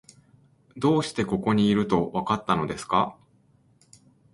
どうしてここにいると、わかったのですか？